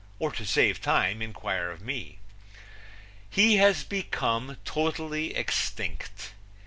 Or, to save time, inquire of me. He has become totally extinct.